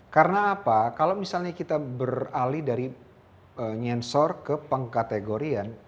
karena apa kalau misalnya kita beralih dari nyensor ke pengkategorian